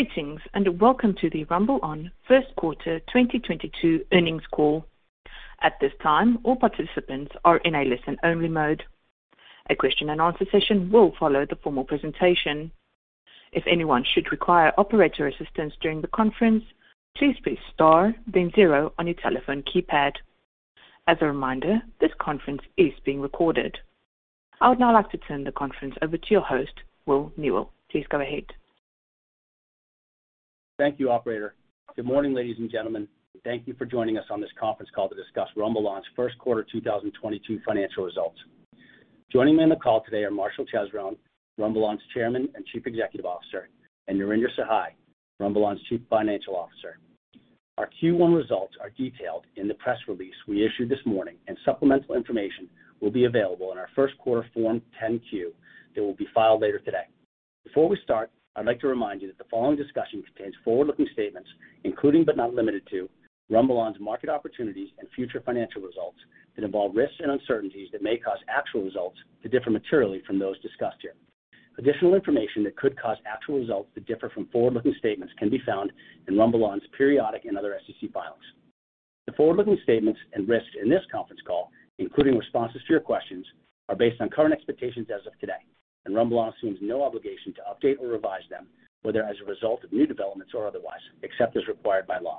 Greetings, and welcome to the RumbleON first quarter 2022 earnings call. At this time, all participants are in a listen-only mode. A question and answer session will follow the formal presentation. If anyone should require operator assistance during the conference, please press star, then zero on your telephone keypad. As a reminder, this conference is being recorded. I would now like to turn the conference over to your host, Will Newell. Please go ahead. Thank you, operator. Good morning, ladies and gentlemen. Thank you for joining us on this conference call to discuss RumbleON's first quarter 2022 financial results. Joining me on the call today are Marshall Chesrown, RumbleON's Chairman and Chief Executive Officer, and Narinder Sahai, RumbleON's Chief Financial Officer. Our Q1 results are detailed in the press release we issued this morning, and supplemental information will be available in our first quarter Form 10-Q that will be filed later today. Before we start, I'd like to remind you that the following discussion contains forward-looking statements including but not limited to RumbleON's market opportunities and future financial results that involve risks and uncertainties that may cause actual results to differ materially from those discussed here. Additional information that could cause actual results to differ from forward-looking statements can be found in RumbleON's periodic and other SEC filings. The forward-looking statements and risks in this conference call, including responses to your questions, are based on current expectations as of today, and RumbleON assumes no obligation to update or revise them, whether as a result of new developments or otherwise, except as required by law.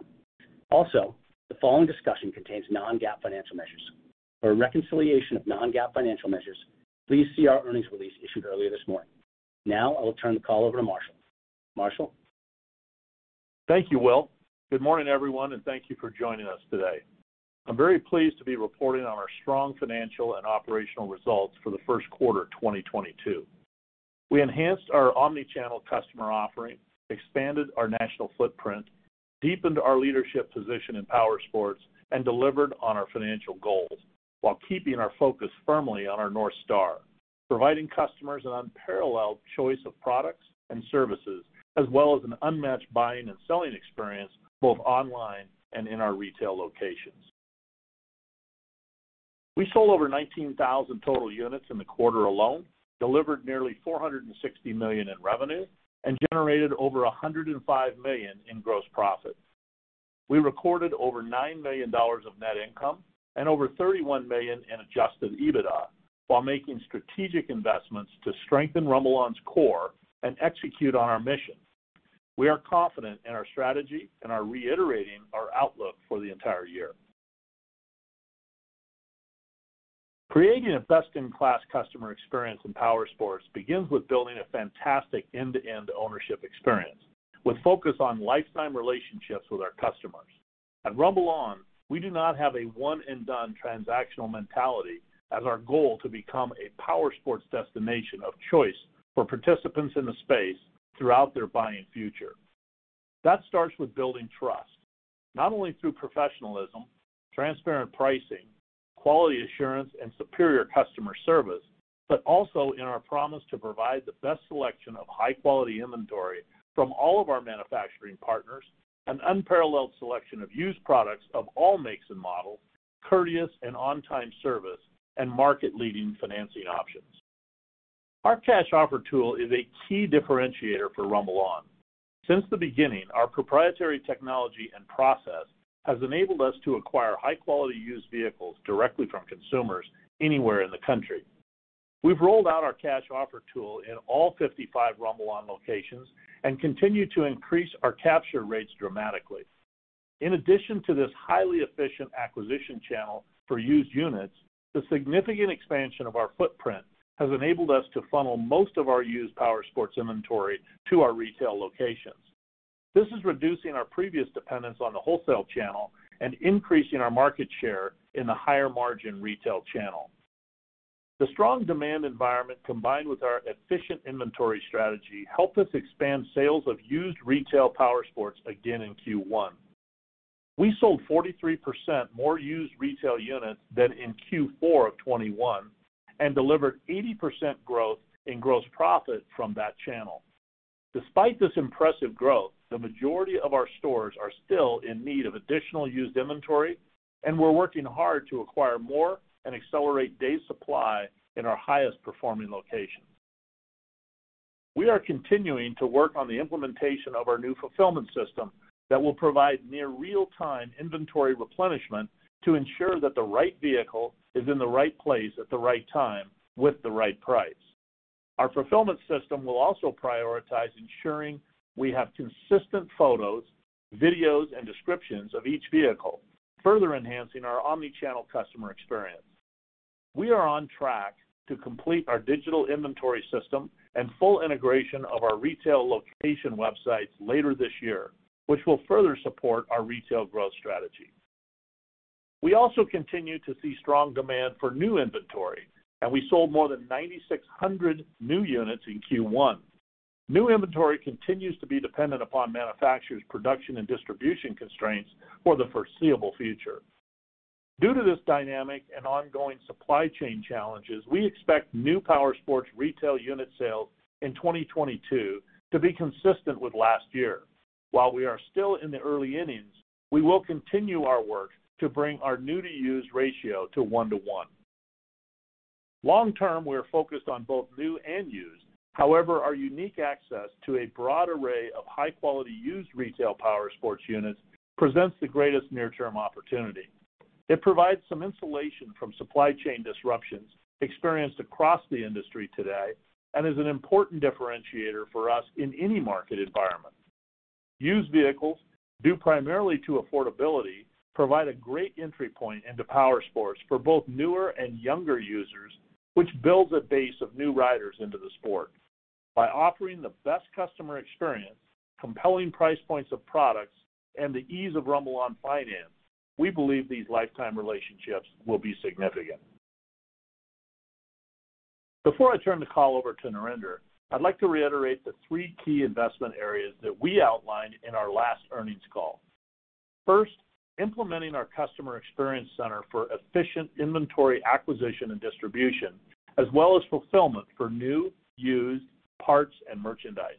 Also, the following discussion contains non-GAAP financial measures. For a reconciliation of non-GAAP financial measures, please see our earnings release issued earlier this morning. Now I will turn the call over to Marshall. Marshall? Thank you, Will. Good morning, everyone, and thank you for joining us today. I'm very pleased to be reporting on our strong financial and operational results for the first quarter of 2022. We enhanced our omnichannel customer offering, expanded our national footprint, deepened our leadership position in powersports, and delivered on our financial goals while keeping our focus firmly on our North Star, providing customers an unparalleled choice of products and services as well as an unmatched buying and selling experience both online and in our retail locations. We sold over 19,000 total units in the quarter alone, delivered nearly $460 million in revenue, and generated over $105 million in gross profit. We recorded over $9 million of net income and over $31 million in Adjusted EBITDA while making strategic investments to strengthen RumbleON's core and execute on our mission. We are confident in our strategy and are reiterating our outlook for the entire year. Creating a best-in-class customer experience in powersports begins with building a fantastic end-to-end ownership experience with focus on lifetime relationships with our customers. At RumbleON, we do not have a one-and-done transactional mentality as our goal to become a powersports destination of choice for participants in the space throughout their buying future. That starts with building trust, not only through professionalism, transparent pricing, quality assurance, and superior customer service, but also in our promise to provide the best selection of high-quality inventory from all of our manufacturing partners, an unparalleled selection of used products of all makes and models, courteous and on-time service, and market-leading financing options. Our Cash Offer Tool is a key differentiator for RumbleON. Since the beginning, our proprietary technology and process has enabled us to acquire high-quality used vehicles directly from consumers anywhere in the country. We've rolled out our Cash Offer Tool in all 55 RumbleON locations and continue to increase our capture rates dramatically. In addition to this highly efficient acquisition channel for used units, the significant expansion of our footprint has enabled us to funnel most of our used powersports inventory to our retail locations. This is reducing our previous dependence on the wholesale channel and increasing our market share in the higher-margin retail channel. The strong demand environment combined with our efficient inventory strategy helped us expand sales of used retail powersports again in Q1. We sold 43% more used retail units than in Q4 of 2021 and delivered 80% growth in gross profit from that channel. Despite this impressive growth, the majority of our stores are still in need of additional used inventory, and we're working hard to acquire more and accelerate day supply in our highest-performing locations. We are continuing to work on the implementation of our new fulfillment system that will provide near real-time inventory replenishment to ensure that the right vehicle is in the right place at the right time with the right price. Our fulfillment system will also prioritize ensuring we have consistent photos, videos, and descriptions of each vehicle, further enhancing our omnichannel customer experience. We are on track to complete our digital inventory system and full integration of our retail location websites later this year, which will further support our retail growth strategy. We also continue to see strong demand for new inventory, and we sold more than 9,600 new units in Q1. New inventory continues to be dependent upon manufacturers' production and distribution constraints for the foreseeable future. Due to this dynamic and ongoing supply chain challenges, we expect new powersports retail unit sales in 2022 to be consistent with last year. While we are still in the early innings, we will continue our work to bring our new-to-used ratio to 1-to-1. Long term, we are focused on both new and used. However, our unique access to a broad array of high quality used retail powersports units presents the greatest near-term opportunity. It provides some insulation from supply chain disruptions experienced across the industry today and is an important differentiator for us in any market environment. Used vehicles, due primarily to affordability, provide a great entry point into powersports for both newer and younger users, which builds a base of new riders into the sport. By offering the best customer experience, compelling price points of products, and the ease of RumbleOn Finance, we believe these lifetime relationships will be significant. Before I turn the call over to Narinder, I'd like to reiterate the three key investment areas that we outlined in our last earnings call. First, implementing our customer experience center for efficient inventory acquisition and distribution, as well as fulfillment for new, used, parts, and merchandise.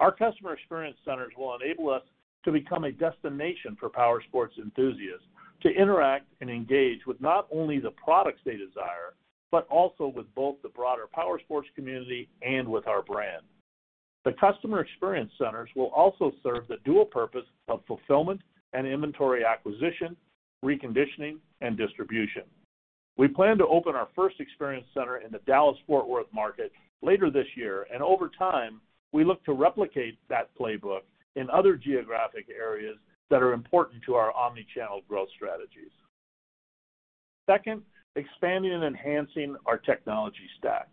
Our customer experience centers will enable us to become a destination for powersports enthusiasts to interact and engage with not only the products they desire, but also with both the broader powersports community and with our brand. The customer experience centers will also serve the dual purpose of fulfillment and inventory acquisition, reconditioning, and distribution. We plan to open our first experience center in the Dallas-Fort Worth market later this year. Over time, we look to replicate that playbook in other geographic areas that are important to our omnichannel growth strategies. Second, expanding and enhancing our technology stack.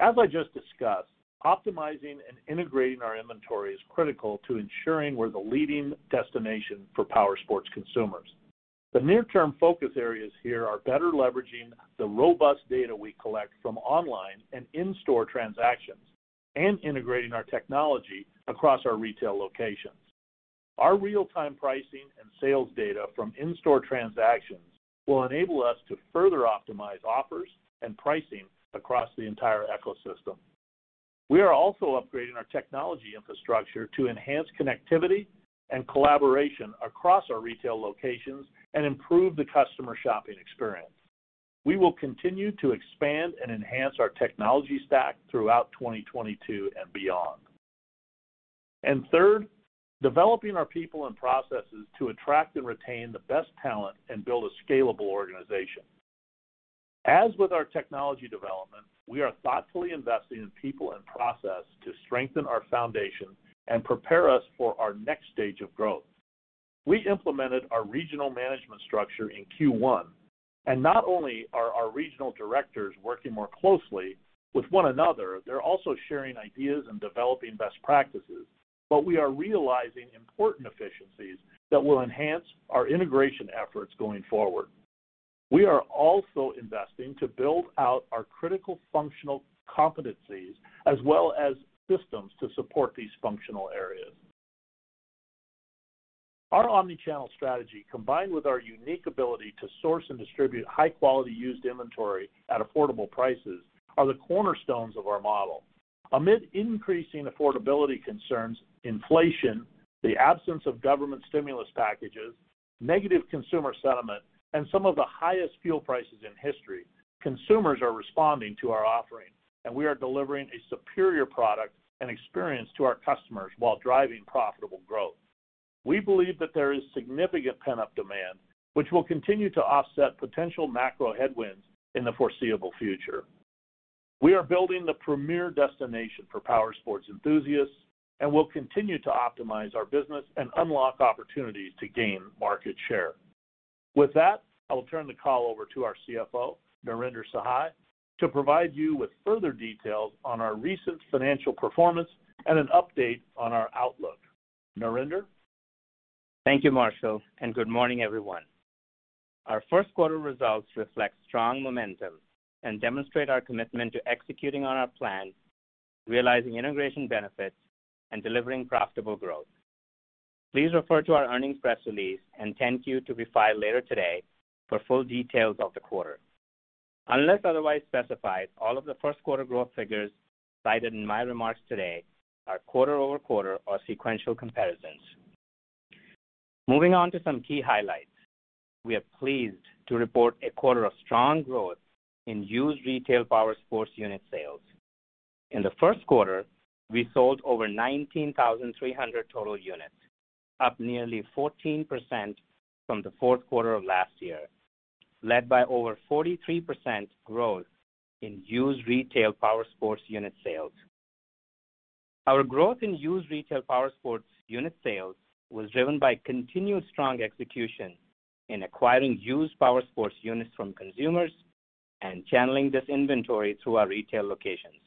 As I just discussed, optimizing and integrating our inventory is critical to ensuring we're the leading destination for powersports consumers. The near-term focus areas here are better leveraging the robust data we collect from online and in-store transactions and integrating our technology across our retail locations. Our real-time pricing and sales data from in-store transactions will enable us to further optimize offers and pricing across the entire ecosystem. We are also upgrading our technology infrastructure to enhance connectivity and collaboration across our retail locations and improve the customer shopping experience. We will continue to expand and enhance our technology stack throughout 2022 and beyond. Third, developing our people and processes to attract and retain the best talent and build a scalable organization. As with our technology development, we are thoughtfully investing in people and process to strengthen our foundation and prepare us for our next stage of growth. We implemented our regional management structure in Q1, and not only are our regional directors working more closely with one another, they're also sharing ideas and developing best practices, but we are realizing important efficiencies that will enhance our integration efforts going forward. We are also investing to build out our critical functional competencies as well as systems to support these functional areas. Our omnichannel strategy, combined with our unique ability to source and distribute high-quality used inventory at affordable prices, are the cornerstones of our model. Amid increasing affordability concerns, inflation, the absence of government stimulus packages, negative consumer sentiment, and some of the highest fuel prices in history, consumers are responding to our offering, and we are delivering a superior product and experience to our customers while driving profitable growth. We believe that there is significant pent-up demand, which will continue to offset potential macro headwinds in the foreseeable future. We are building the premier destination for powersports enthusiasts, and we'll continue to optimize our business and unlock opportunities to gain market share. With that, I will turn the call over to our CFO, Narinder Sahai, to provide you with further details on our recent financial performance and an update on our outlook. Narinder. Thank you, Marshall, and good morning, everyone. Our first quarter results reflect strong momentum and demonstrate our commitment to executing on our plan, realizing integration benefits, and delivering profitable growth. Please refer to our earnings press release and 10-Q to be filed later today for full details of the quarter. Unless otherwise specified, all of the first quarter growth figures cited in my remarks today are quarter-over-quarter or sequential comparisons. Moving on to some key highlights. We are pleased to report a quarter of strong growth in used retail powersports unit sales. In the first quarter, we sold over 19,300 total units, up nearly 14% from the fourth quarter of last year, led by over 43% growth in used retail powersports unit sales. Our growth in used retail powersports unit sales was driven by continued strong execution in acquiring used powersports units from consumers and channeling this inventory through our retail locations.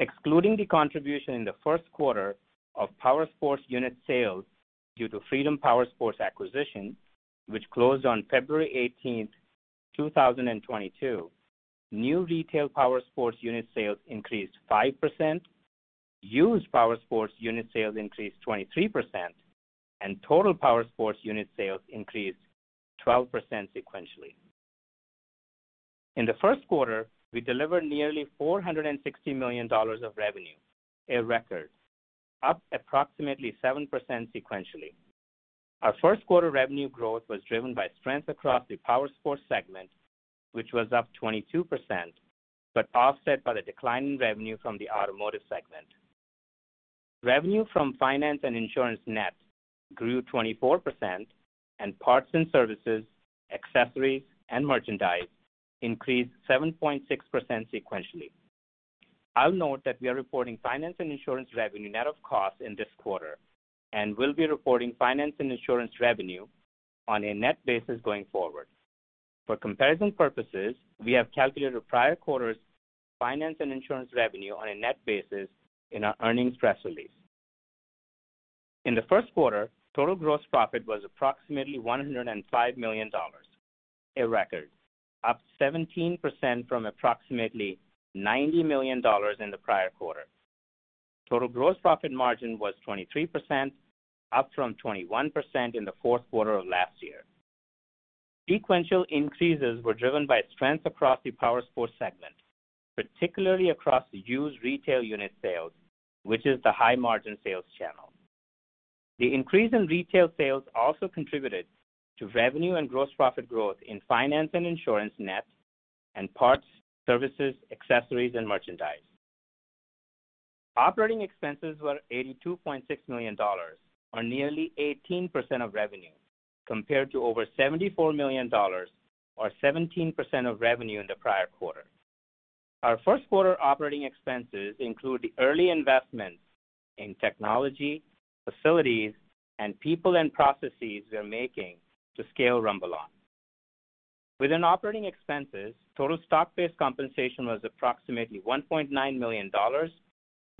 Excluding the contribution in the first quarter of powersports unit sales due to Freedom Powersports acquisition, which closed on February 18, 2022, new retail powersports unit sales increased 5%, used powersports unit sales increased 23%, and total powersports unit sales increased 12% sequentially. In the first quarter, we delivered nearly $460 million of revenue, a record, up approximately 7% sequentially. Our first quarter revenue growth was driven by strength across the Powersports segment, which was up 22%, but offset by the decline in revenue from the Automotive segment. Revenue from finance and insurance net grew 24% and parts and services, accessories, and merchandise increased 7.6% sequentially. I'll note that we are reporting finance and insurance revenue net of costs in this quarter, and we'll be reporting finance and insurance revenue on a net basis going forward. For comparison purposes, we have calculated the prior quarter's finance and insurance revenue on a net basis in our earnings press release. In the first quarter, total gross profit was approximately $105 million, a record, up 17% from approximately $90 million in the prior quarter. Total gross profit margin was 23%, up from 21% in the fourth quarter of last year. Sequential increases were driven by strength across the Powersports segment, particularly across the used retail unit sales, which is the high-margin sales channel. The increase in retail sales also contributed to revenue and gross profit growth in finance and insurance net and parts, services, accessories, and merchandise. Operating expenses were $82.6 million or nearly 18% of revenue, compared to over $74 million or 17% of revenue in the prior quarter. Our first quarter operating expenses include the early investments in technology, facilities, and people and processes we're making to scale RumbleON. Within operating expenses, total stock-based compensation was approximately $1.9 million,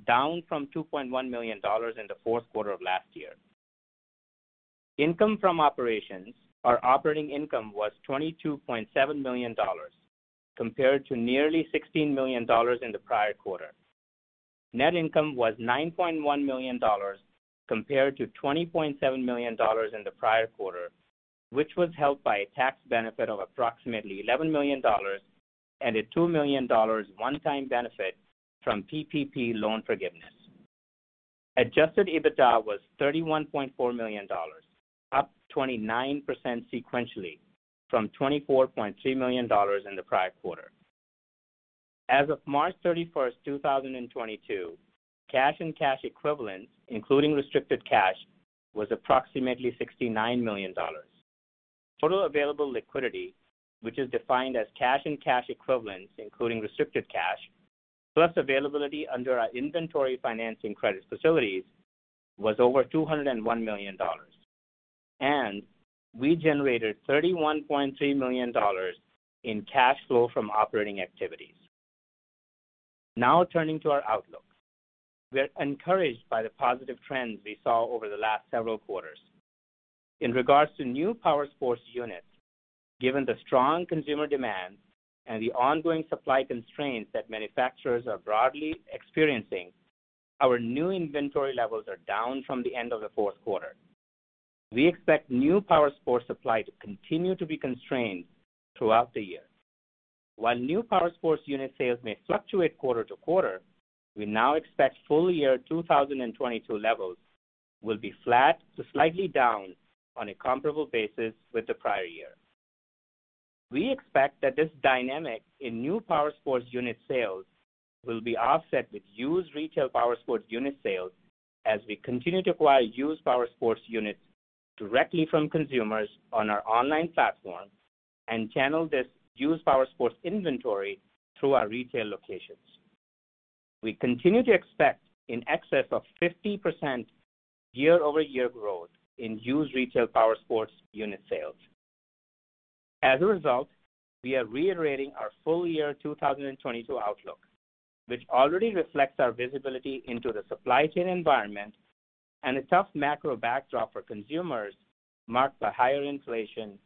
down from $2.1 million in the fourth quarter of last year. Income from operations or operating income was $22.7 million compared to nearly $16 million in the prior quarter. Net income was $9.1 million compared to $20.7 million in the prior quarter, which was helped by a tax benefit of approximately $11 million and a $2 million one-time benefit from PPP loan forgiveness. Adjusted EBITDA was $31.4 million, up 29% sequentially from $24.3 million in the prior quarter. As of March 31, 2022, cash and cash equivalents, including restricted cash, was approximately $69 million. Total available liquidity, which is defined as cash and cash equivalents, including restricted cash, plus availability under our inventory financing credit facilities, was over $201 million, and we generated $31.3 million in cash flow from operating activities. Now turning to our outlook. We are encouraged by the positive trends we saw over the last several quarters. In regards to new powersports units, given the strong consumer demand and the ongoing supply constraints that manufacturers are broadly experiencing, our new inventory levels are down from the end of the fourth quarter. We expect new powersports supply to continue to be constrained throughout the year. While new powersports unit sales may fluctuate quarter-to-quarter, we now expect full year 2022 levels will be flat to slightly down on a comparable basis with the prior year. We expect that this dynamic in new powersports unit sales will be offset with used retail powersports unit sales as we continue to acquire used powersports units directly from consumers on our online platform and channel this used powersports inventory through our retail locations. We continue to expect in excess of 50% year-over-year growth in used retail powersports unit sales. As a result, we are reiterating our full year 2022 outlook, which already reflects our visibility into the supply chain environment and a tough macro backdrop for consumers marked by higher inflation,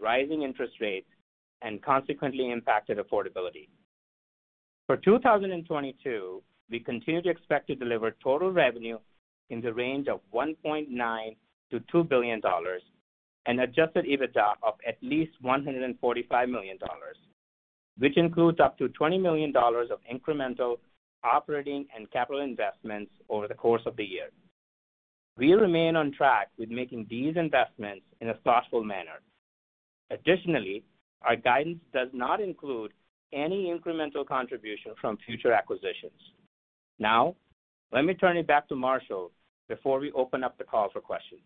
rising interest rates, and consequently impacted affordability. For 2022, we continue to expect to deliver total revenue in the range of $1.9 billion-$2 billion and Adjusted EBITDA of at least $145 million, which includes up to $20 million of incremental operating and capital investments over the course of the year. We remain on track with making these investments in a thoughtful manner. Additionally, our guidance does not include any incremental contribution from future acquisitions. Now, let me turn it back to Marshall before we open up the call for questions.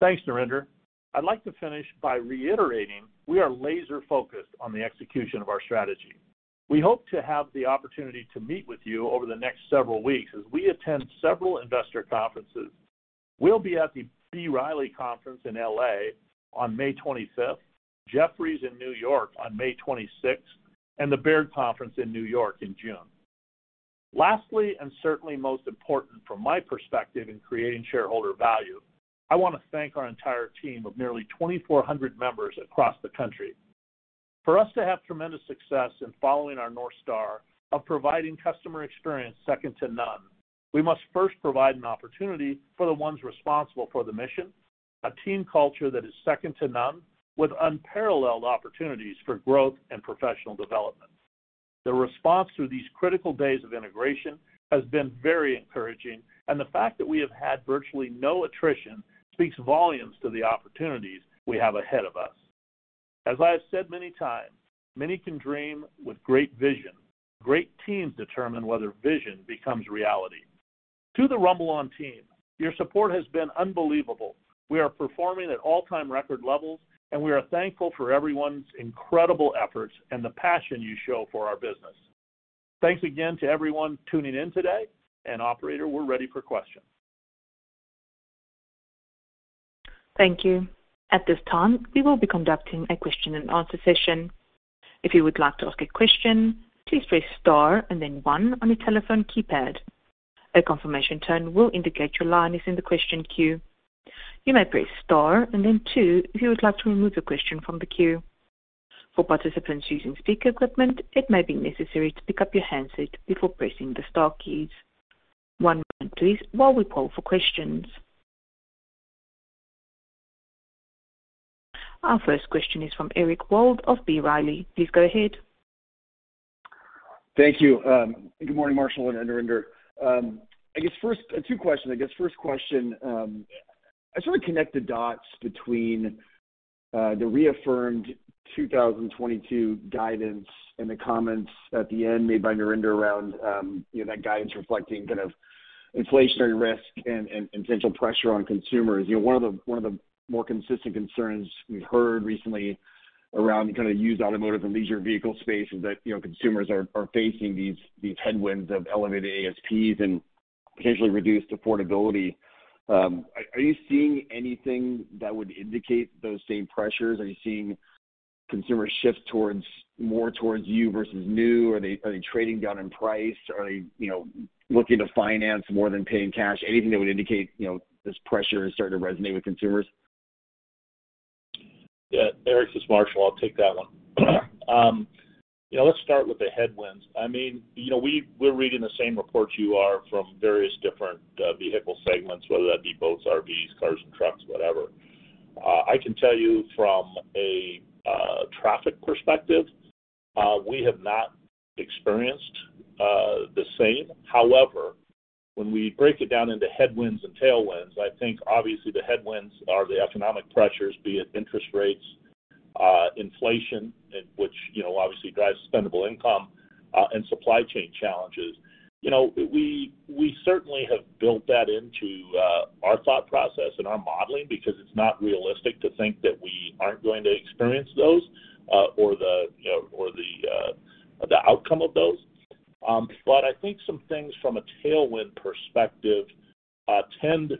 Thanks, Narinder. I'd like to finish by reiterating we are laser-focused on the execution of our strategy. We hope to have the opportunity to meet with you over the next several weeks as we attend several investor conferences. We'll be at the B. Riley conference in L.A. on May 25th, Jefferies in New York on May 26th, and the Baird conference in New York in June. Lastly, and certainly most important from my perspective in creating shareholder value, I wanna thank our entire team of nearly 2,400 members across the country. For us to have tremendous success in following our North Star of providing customer experience second to none, we must first provide an opportunity for the ones responsible for the mission, a team culture that is second to none, with unparalleled opportunities for growth and professional development. The response through these critical days of integration has been very encouraging, and the fact that we have had virtually no attrition speaks volumes to the opportunities we have ahead of us. As I have said many times, many can dream with great vision. Great teams determine whether vision becomes reality. To the RumbleOn team, your support has been unbelievable. We are performing at all-time record levels, and we are thankful for everyone's incredible efforts and the passion you show for our business. Thanks again to everyone tuning in today, and operator, we're ready for questions. Thank you. At this time, we will be conducting a question and answer session. If you would like to ask a question, please press star and then one on your telephone keypad. A confirmation tone will indicate your line is in the question queue. You may press star and then two if you would like to remove your question from the queue. For participants using speaker equipment, it may be necessary to pick up your handset before pressing the star keys. One moment please while we poll for questions. Our first question is from Eric Wold of B. Riley. Please go ahead. Thank you. Good morning, Marshall and Narinder. I guess first two questions. I guess first question, I sort of connect the dots between the reaffirmed 2022 guidance and the comments at the end made by Narinder around, you know, that guidance reflecting kind of inflationary risk and potential pressure on consumers. You know, one of the more consistent concerns we've heard recently around kind of used automotive and leisure vehicle space is that, you know, consumers are facing these headwinds of elevated ASPs and potentially reduced affordability. Are you seeing anything that would indicate those same pressures? Are you seeing consumers shift more towards used versus new? Are they trading down in price? Are they, you know, looking to finance more than paying cash? Anything that would indicate, you know, this pressure is starting to resonate with consumers. Yeah. Eric, this is Marshall. I'll take that one. You know, let's start with the headwinds. I mean, you know, we're reading the same report you are from various different vehicle segments, whether that be boats, RVs, cars and trucks, whatever. I can tell you from a traffic perspective, we have not experienced the same. However, when we break it down into headwinds and tailwinds, I think obviously the headwinds are the economic pressures, be it interest rates, inflation, and which, you know, obviously drives spendable income, and supply chain challenges. You know, we certainly have built that into our thought process and our modeling because it's not realistic to think that we aren't going to experience those, or the outcome of those. I think some things from a tailwind perspective,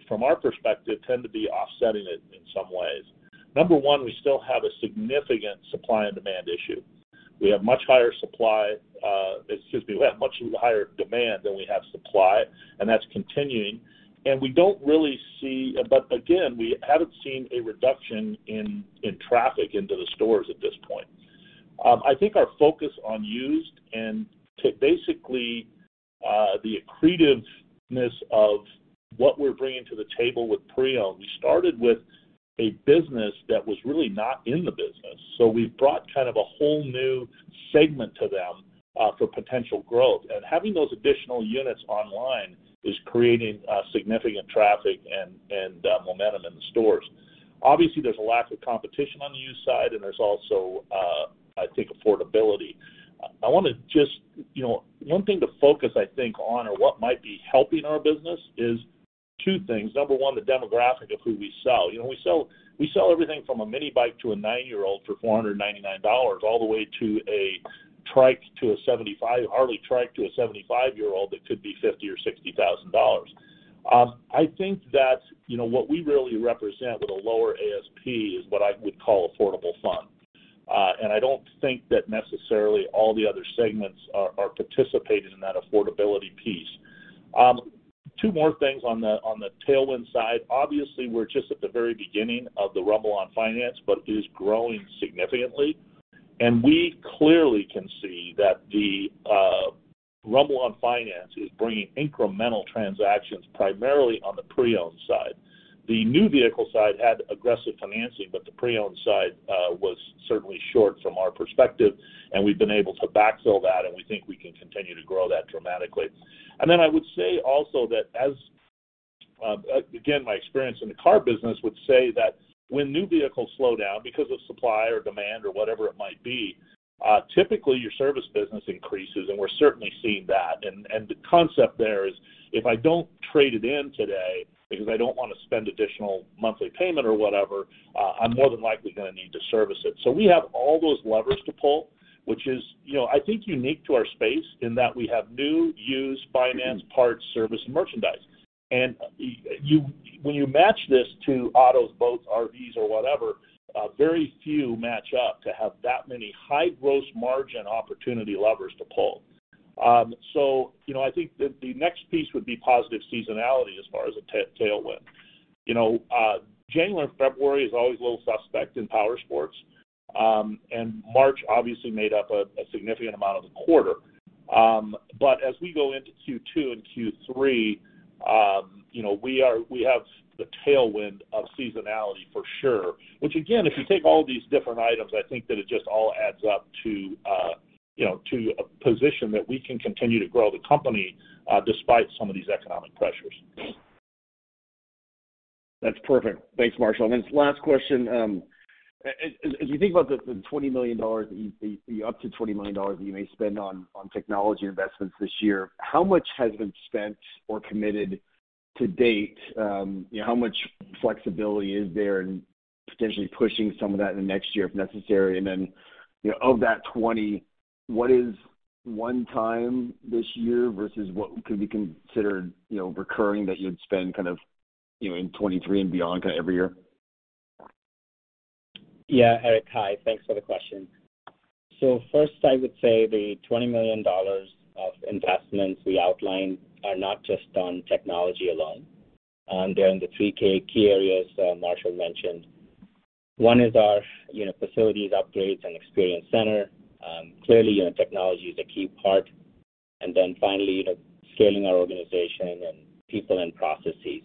from our perspective, tend to be offsetting it in some ways. Number one, we still have a significant supply and demand issue. We have much higher demand than we have supply, and that's continuing. We don't really see a reduction in traffic into the stores at this point. Again, we haven't seen a reduction in traffic into the stores at this point. I think our focus on used and to basically, the accretiveness of what we're bringing to the table with pre-owned, we started with a business that was really not in the business. We've brought kind of a whole new segment to them for potential growth. Having those additional units online is creating significant traffic and momentum in the stores. Obviously, there's a lack of competition on the used side, and there's also, I think affordability. I wanna You know, one thing to focus, I think on or what might be helping our business is two things. Number one, the demographic of who we sell. You know, we sell everything from a mini bike to a nine-year-old for $499, all the way to a Harley-Davidson trike to a 75-year-old that could be $50,000 or $60,000. I think that, you know, what we really represent with a lower ASP is what I would call affordable fun. And I don't think that necessarily all the other segments are participating in that affordability piece. Two more things on the tailwind side. Obviously, we're just at the very beginning of the RumbleOn Finance, but it is growing significantly. We clearly can see that the RumbleOn Finance is bringing incremental transactions primarily on the pre-owned side. The new vehicle side had aggressive financing, but the pre-owned side was certainly short from our perspective, and we've been able to backfill that, and we think we can continue to grow that dramatically. Then I would say also that as again, my experience in the car business would say that when new vehicles slow down because of supply or demand or whatever it might be, typically your service business increases, and we're certainly seeing that. The concept there is, if I don't trade it in today because I don't wanna spend additional monthly payment or whatever, I'm more than likely gonna need to service it. We have all those levers to pull, which is, you know, I think unique to our space in that we have new, used, finance, parts, service and merchandise. When you match this to autos, boats, RVs or whatever, very few match up to have that many high gross margin opportunity levers to pull. You know, I think the next piece would be positive seasonality as far as a tailwind. You know, January and February is always a little suspect in powersports, and March obviously made up a significant amount of the quarter. As we go into Q2 and Q3, you know, we have the tailwind of seasonality for sure, which again, if you take all these different items, I think that it just all adds up to, you know, to a position that we can continue to grow the company, despite some of these economic pressures. That's perfect. Thanks, Marshall. Last question. As you think about the up to $20 million that you may spend on technology investments this year, how much has been spent or committed to date? How much flexibility is there in potentially pushing some of that in the next year if necessary? You know, of that 20, what is one time this year versus what could be considered, you know, recurring that you'd spend kind of, you know, in 2023 and beyond every year? Yeah. Eric, hi. Thanks for the question. First, I would say the $20 million of investments we outlined are not just on technology alone. They're in the three key areas that Marshall mentioned. One is our, you know, facilities upgrades and experience center. Clearly, you know, technology is a key part. Then finally, you know, scaling our organization and people and processes.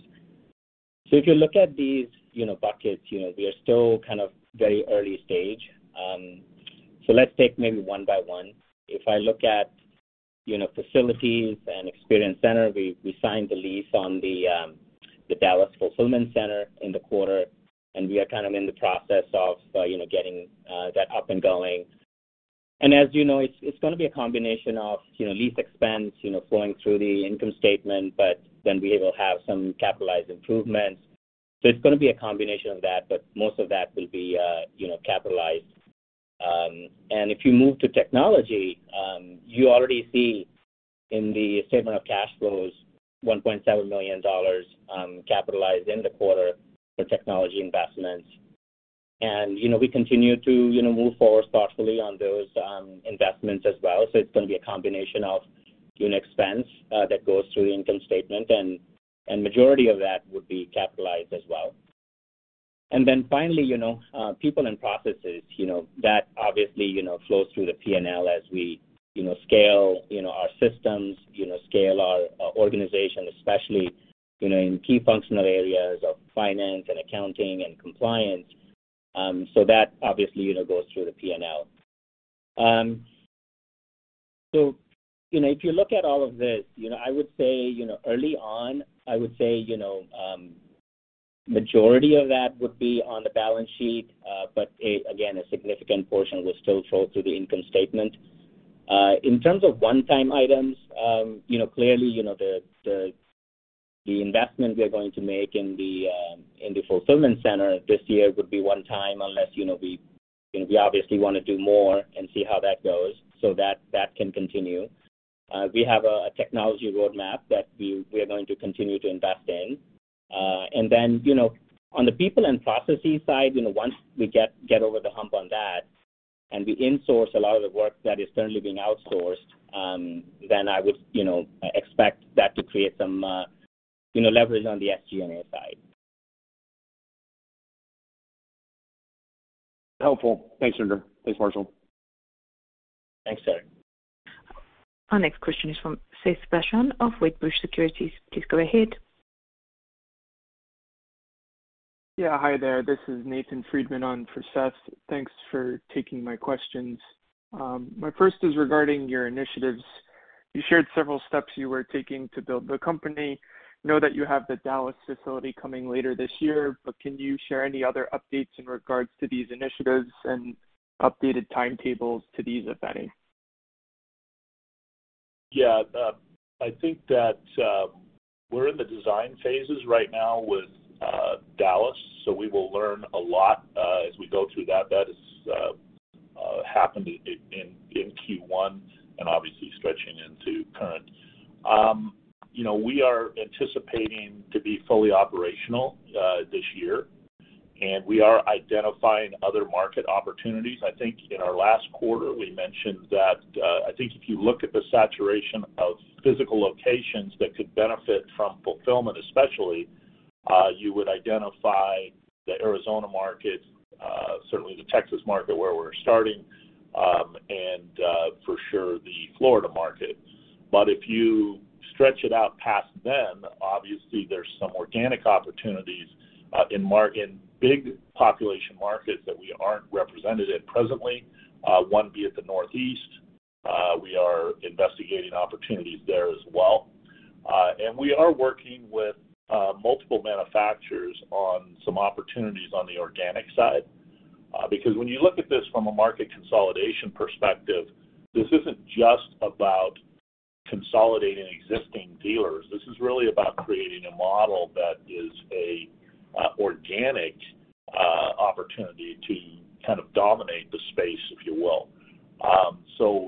If you look at these, you know, buckets, you know, we are still kind of very early stage. Let's take maybe one by one. If I look at, you know, facilities and experience center, we signed the lease on the Dallas fulfillment center in the quarter, and we are kind of in the process of, you know, getting that up and going. As you know, it's gonna be a combination of, you know, lease expense, you know, flowing through the income statement, but then we will have some capitalized improvements. It's gonna be a combination of that, but most of that will be, you know, capitalized. If you move to technology, you already see in the statement of cash flows, $1.7 million capitalized in the quarter for technology investments. You know, we continue to, you know, move forward thoughtfully on those investments as well. It's gonna be a combination of, you know, expense that goes through the income statement and majority of that would be capitalized as well. Finally, you know, people and processes, you know, that obviously, you know, flows through the P&L as we, you know, scale, you know, our systems, you know, scale our organization, especially, you know, in key functional areas of finance and accounting and compliance. That obviously, you know, goes through the P&L. You know, if you look at all of this, you know, I would say, you know, majority of that would be on the balance sheet, but again, a significant portion will still flow through the income statement. In terms of one-time items, you know, clearly, you know, the investment we are going to make in the fulfillment center this year would be one time unless, you know, we obviously wanna do more and see how that goes, so that can continue. We have a technology roadmap that we are going to continue to invest in. You know, on the people and processes side, you know, once we get over the hump on that and we insource a lot of the work that is currently being outsourced, then I would, you know, expect that to create some, you know, leverage on the SG&A side. Helpful. Thanks, Narinder. Thanks, Marshall. Thanks, Eric. Our next question is from Seth Basham of Wedbush Securities. Please go ahead. Yeah. Hi there. This is Nathan Friedman on for Seth. Thanks for taking my questions. My first is regarding your initiatives. You shared several steps you were taking to build the company. Now that you have the Dallas facility coming later this year, but can you share any other updates in regards to these initiatives and updated timetables to these, if any? Yeah. I think that we're in the design phases right now with Dallas, so we will learn a lot as we go through that. That happened in Q1 and obviously stretching into current. You know, we are anticipating to be fully operational this year, and we are identifying other market opportunities. I think in our last quarter, we mentioned that. I think if you look at the saturation of physical locations that could benefit from fulfillment especially, you would identify the Arizona market, certainly the Texas market where we're starting, and for sure the Florida market. If you stretch it out past them, obviously there's some organic opportunities in big population markets that we aren't represented in presently. One would be at the Northeast. We are investigating opportunities there as well. We are working with multiple manufacturers on some opportunities on the organic side. Because when you look at this from a market consolidation perspective, this isn't just about consolidating existing dealers. This is really about creating a model that is a organic opportunity to kind of dominate the space, if you will.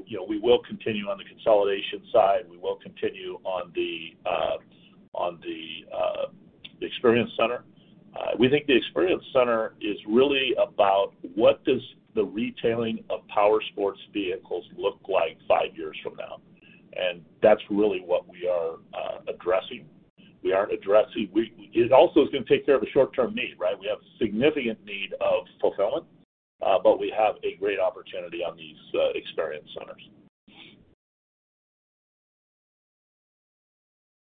You know, we will continue on the consolidation side. We will continue on the experience center. We think the experience center is really about what does the retailing of powersports vehicles look like five years from now. That's really what we are addressing. It also is gonna take care of a short-term need, right? We have significant need of fulfillment, but we have a great opportunity on these experience centers.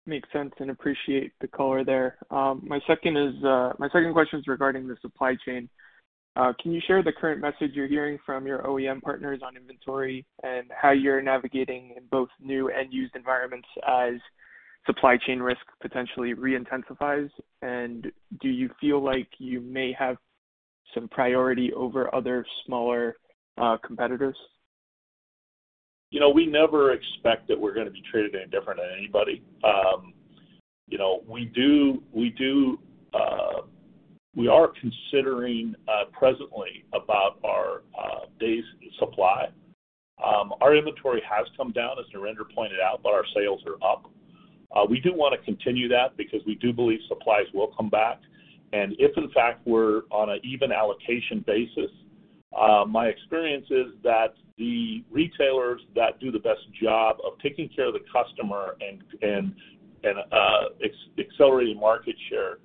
Makes sense, and appreciate the color there. My second question is regarding the supply chain. Can you share the current message you're hearing from your OEM partners on inventory and how you're navigating in both new and used environments as supply chain risk potentially re-intensifies? Do you feel like you may have some priority over other smaller competitors? You know, we never expect that we're gonna be treated any different than anybody. You know, we do. We are considering presently about our days supply. Our inventory has come down, as Narinder pointed out, but our sales are up. We do wanna continue that because we do believe supplies will come back. If in fact, we're on a even allocation basis, my experience is that the retailers that do the best job of taking care of the customer and accelerating market share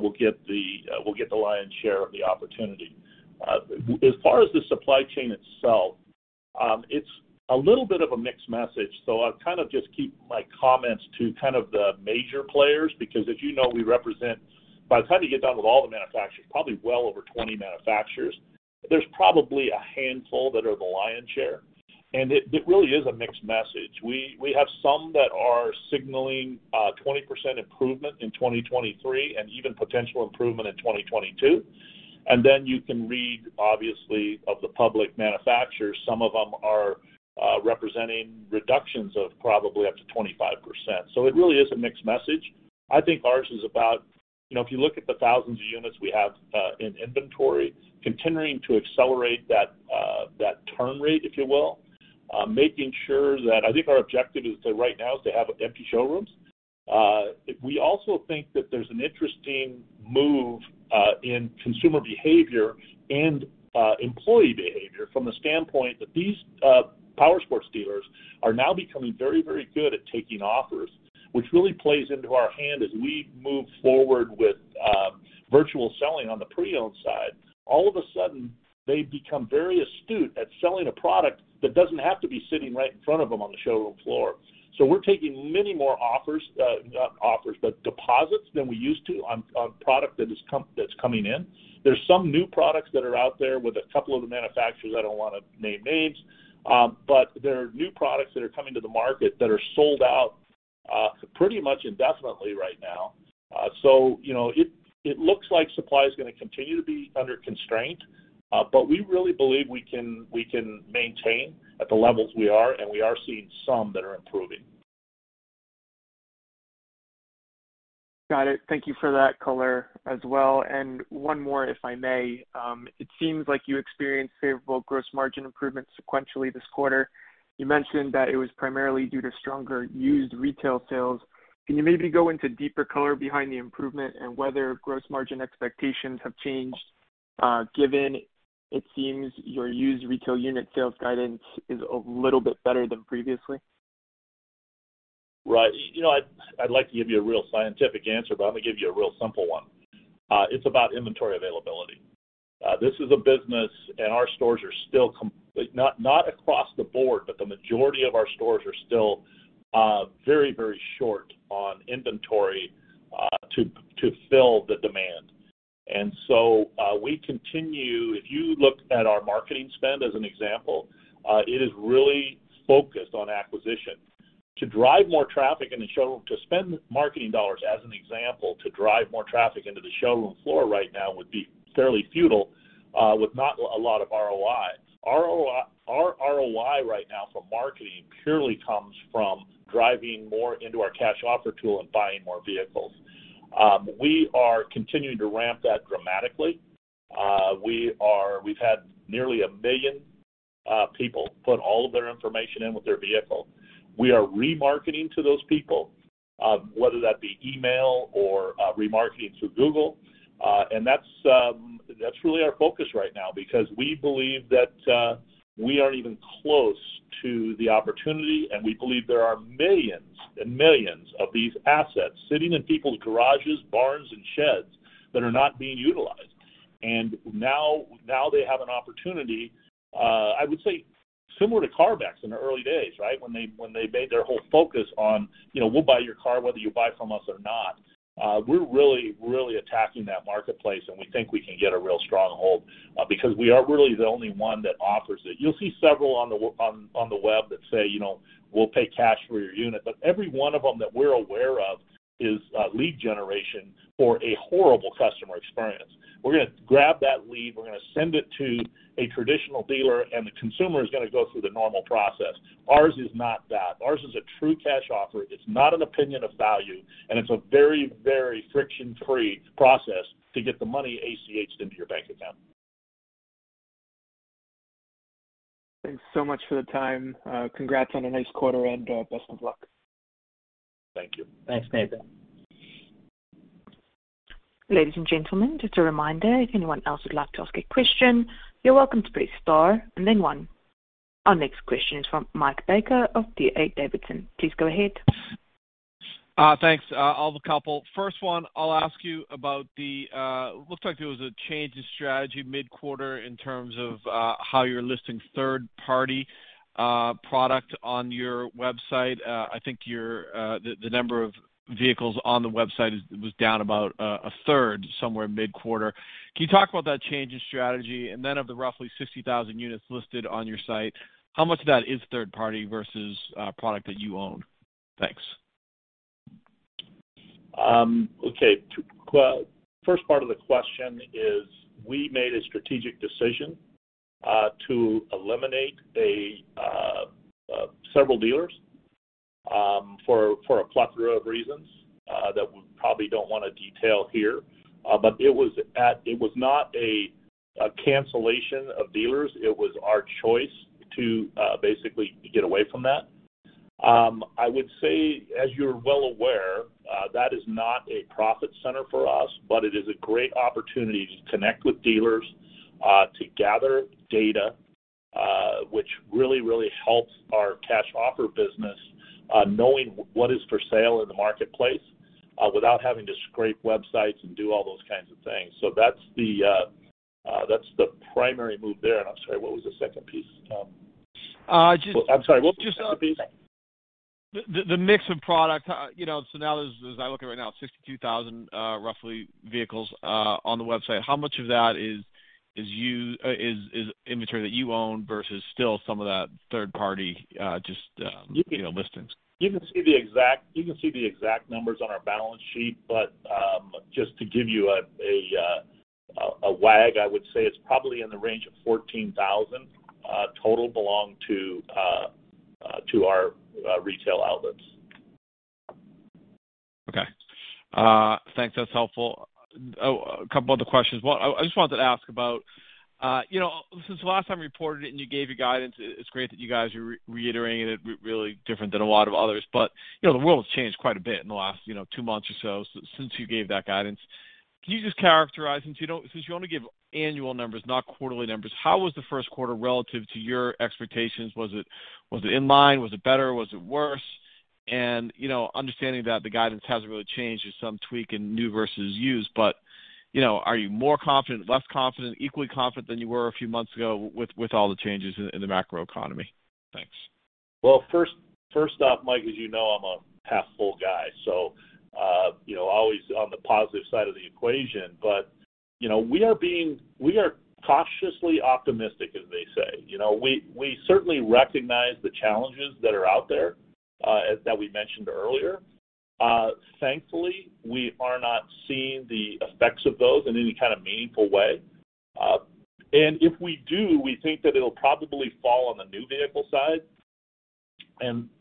will get the lion's share of the opportunity. As far as the supply chain itself, it's a little bit of a mixed message, so I'll kind of just keep my comments to kind of the major players because as you know, we represent, by the time you get done with all the manufacturers, probably well over 20 manufacturers. There's probably a handful that are the lion's share, and it really is a mixed message. We have some that are signaling 20% improvement in 2023 and even potential improvement in 2022. You can read, obviously, of the public manufacturers, some of them are representing reductions of probably up to 25%. It really is a mixed message. I think ours is about, you know, if you look at the thousands of units we have in inventory, continuing to accelerate that turn rate, if you will, making sure that I think our objective right now is to have empty showrooms. We also think that there's an interesting move in consumer behavior and employee behavior from the standpoint that these powersports dealers are now becoming very, very good at taking offers, which really plays into our hand as we move forward with virtual selling on the pre-owned side. All of a sudden, they become very astute at selling a product that doesn't have to be sitting right in front of them on the showroom floor. We're taking many more offers, not offers, but deposits than we used to on product that's coming in. There's some new products that are out there with a couple of the manufacturers. I don't wanna name names, but there are new products that are coming to the market that are sold out pretty much indefinitely right now. You know, it looks like supply is gonna continue to be under constraint, but we really believe we can maintain at the levels we are, and we are seeing some that are improving. Got it. Thank you for that color as well. One more, if I may. It seems like you experienced favorable gross margin improvements sequentially this quarter. You mentioned that it was primarily due to stronger used retail sales. Can you maybe go into deeper color behind the improvement and whether gross margin expectations have changed, given it seems your used retail unit sales guidance is a little bit better than previously? Right. You know, I'd like to give you a real scientific answer, but I'm gonna give you a real simple one. It's about inventory availability. This is a business, and our stores are still not across the board, but the majority of our stores are still very short on inventory to fill the demand. If you look at our marketing spend as an example, it is really focused on acquisition. To drive more traffic in the showroom, to spend marketing dollars, as an example, to drive more traffic into the showroom floor right now would be fairly futile with not a lot of ROI. Our ROI right now from marketing purely comes from driving more into our Cash Offer Tool and buying more vehicles. We are continuing to ramp that dramatically. We've had nearly 1 million people put all of their information in with their vehicle. We are remarketing to those people, whether that be email or remarketing through Google. That's really our focus right now because we believe that we aren't even close to the opportunity, and we believe there are millions and millions of these assets sitting in people's garages, barns, and sheds that are not being utilized. Now they have an opportunity, I would say similar to CarMax in the early days, right? When they made their whole focus on, you know, we'll buy your car whether you buy from us or not. We're really attacking that marketplace, and we think we can get a real stronghold because we are really the only one that offers it. You'll see several on the web that say, you know, "We'll pay cash for your unit." But every one of them that we're aware of is lead generation for a horrible customer experience. We're gonna grab that lead, we're gonna send it to a traditional dealer, and the consumer is gonna go through the normal process. Ours is not that. Ours is a true cash offer. It's not an opinion of value, and it's a very, very friction-free process to get the money ACH into your bank account. Thanks so much for the time. Congrats on a nice quarter, and best of luck. Thank you. Thanks, Nathan. Ladies and gentlemen, just a reminder, if anyone else would like to ask a question, you're welcome to press star and then one. Our next question is from Michael Baker of D.A. Davidson. Please go ahead. Thanks. I have a couple. First one, I'll ask you about the looks like there was a change in strategy mid-quarter in terms of how you're listing third-party product on your website. I think the number of vehicles on the website was down about a third somewhere mid-quarter. Can you talk about that change in strategy? Then of the roughly 60,000 units listed on your site, how much of that is third party versus product that you own? Thanks. Okay. First part of the question is we made a strategic decision to eliminate several dealers for a plethora of reasons that we probably don't wanna detail here. But it was not a cancellation of dealers. It was our choice to basically get away from that. I would say, as you're well aware, that is not a profit center for us, but it is a great opportunity to connect with dealers to gather data, which really helps our cash offer business on knowing what is for sale in the marketplace without having to scrape websites and do all those kinds of things. So that's the primary move there. I'm sorry, what was the second piece, Tom? Uh, just- I'm sorry. What was the second piece? The mix of product. You know, so now as I look at right now, it's 62,000 roughly vehicles on the website. How much of that is inventory that you own versus still some of that third party, just, you know, listings. You can see the exact numbers on our balance sheet, but just to give you a wag, I would say it's probably in the range of 14,000 total belonging to our retail outlets. Okay. Thanks. That's helpful. A couple other questions. One, I just wanted to ask about, you know, since the last time you reported it and you gave your guidance, it's great that you guys are reiterating it really different than a lot of others. But, you know, the world's changed quite a bit in the last, you know, two months or so since you gave that guidance. Can you just characterize since you only give annual numbers, not quarterly numbers, how was the first quarter relative to your expectations? Was it in line? Was it better? Was it worse? You know, understanding that the guidance hasn't really changed, there's some tweak in new versus used, but, you know, are you more confident, less confident, equally confident than you were a few months ago with all the changes in the macroeconomy? Thanks. Well, first off, Mike, as you know, I'm a half full guy, so you know, always on the positive side of the equation. You know, we are cautiously optimistic, as they say. You know, we certainly recognize the challenges that are out there, that we mentioned earlier. If we do, we think that it'll probably fall on the new vehicle side.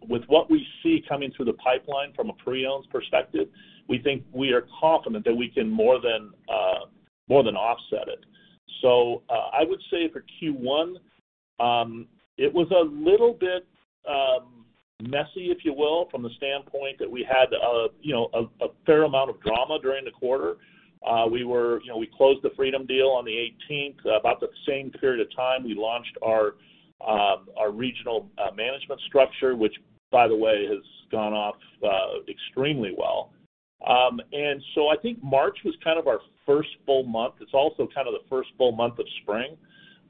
With what we see coming through the pipeline from a pre-owned perspective, we think we are confident that we can more than offset it. I would say for Q1, it was a little bit messy, if you will, from the standpoint that we had you know a fair amount of drama during the quarter. We closed the Freedom deal on the eighteenth. About the same period of time, we launched our regional management structure, which by the way, has gone off extremely well. I think March was kind of our first full month. It's also kind of the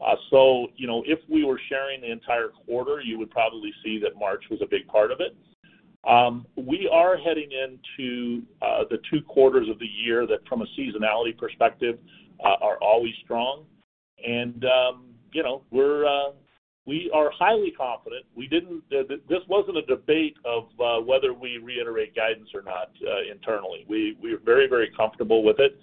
first full month of spring. If we were sharing the entire quarter, you would probably see that March was a big part of it. We are heading into the two quarters of the year that from a seasonality perspective are always strong. You know, we are highly confident. This wasn't a debate of whether we reiterate guidance or not, internally. We're very, very comfortable with it.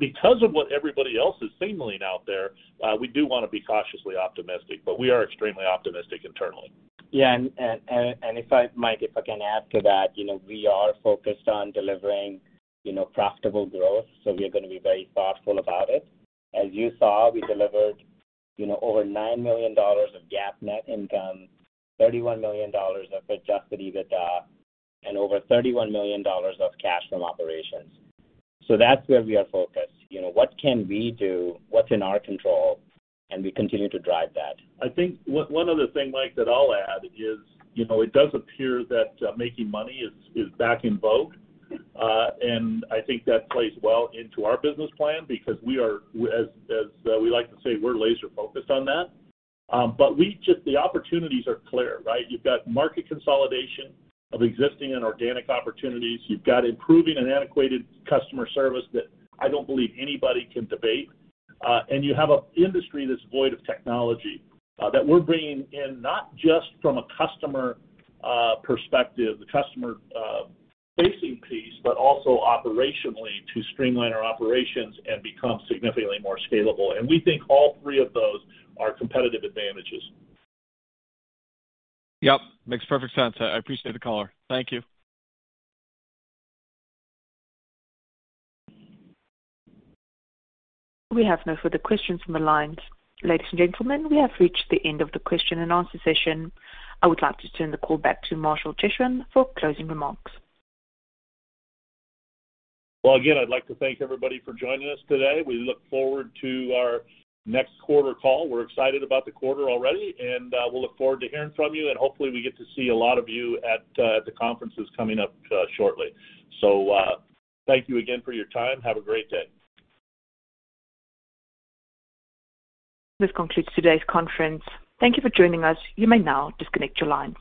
Because of what everybody else is saying out there, we do wanna be cautiously optimistic, but we are extremely optimistic internally. Yeah. If I can add to that, Mike, you know, we are focused on delivering, you know, profitable growth, so we are gonna be very thoughtful about it. As you saw, we delivered, you know, over $9 million of GAAP net income, $31 million of adjusted EBITDA, and over $31 million of cash from operations. That's where we are focused. You know, what can we do? What's in our control? We continue to drive that. I think one other thing, Mike, that I'll add is, you know, it does appear that making money is back in vogue. I think that plays well into our business plan because we are, as we like to say, we're laser-focused on that. The opportunities are clear, right? You've got market consolidation of existing and organic opportunities. You've got improving and antiquated customer service that I don't believe anybody can debate. You have an industry that's void of technology that we're bringing in not just from a customer perspective, the customer facing piece, but also operationally to streamline our operations and become significantly more scalable. We think all three of those are competitive advantages. Yep, makes perfect sense. I appreciate the call. Thank you. We have no further questions from the lines. Ladies and gentlemen, we have reached the end of the question and answer session. I would like to turn the call back to Marshall Chesrown for closing remarks. Well, again, I'd like to thank everybody for joining us today. We look forward to our next quarter call. We're excited about the quarter already, and we'll look forward to hearing from you. Hopefully we get to see a lot of you at the conferences coming up shortly. Thank you again for your time. Have a great day. This concludes today's conference. Thank you for joining us. You may now disconnect your lines.